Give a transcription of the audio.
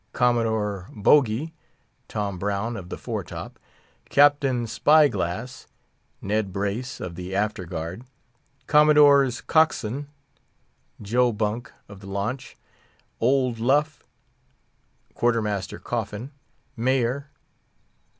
Commodore Bougee .... Tom Brown, of the Fore top. Captain Spy glass .... Ned Brace, of the After Guard. Commodore's Cockswain. .. Joe Bunk, of the Launch. Old Luff ....... Quarter master Coffin. Mayor